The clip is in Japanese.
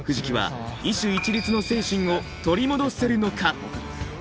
木は医手一律の精神を取り戻せるのか？